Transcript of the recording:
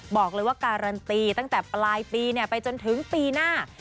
บอกเลยว่าการันตีตั้งแต่ปลายปีไปจนถึงปีหน้า